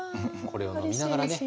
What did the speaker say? これを飲みながらね。